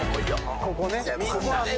ここね。